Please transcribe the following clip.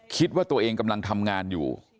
คิดว่าตัวเองกำลังทำงานอยู่